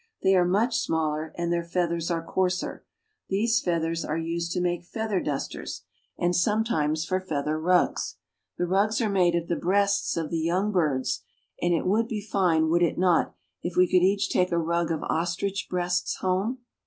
They are much smaller, and their feathers are coarser. These feathers are used to make feather dusters, and sometimes 172 ARGENTINA. for feather rugs. The rugs are made of the breasts of the young birds, and it would be fine, would it not, if we could each take a rug of ostrich breasts home?